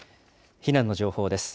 避難の情報です。